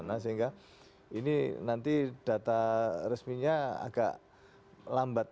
nanti data resminya agak lambat